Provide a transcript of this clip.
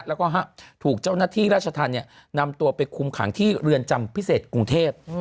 แล้วก็ถูกเจ้าหน้าที่ราชธรรมนำตัวไปคุมขังที่เรือนจำพิเศษกรุงเทพ